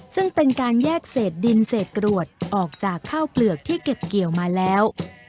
ซึ่งเป็นการแยกเศษดินเศษกรวดออกจากข้าวเปลือกที่เก็บเกี่ยวมาแล้ว